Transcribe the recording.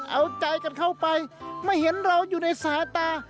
เอาใจกันเข้าไปไม่เห็นเราอยู่ในสายตา